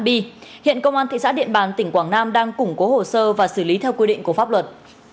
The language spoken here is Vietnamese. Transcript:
bị hiện công an thị xã điện bàn tỉnh quảng nam đang củng cố hồ sơ và xử lý theo quy định của pháp luật